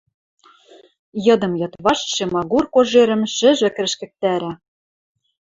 Йыдым йыдвашт Шемагур кожерӹм шӹжвӹк рӹшкӹктӓрӓ.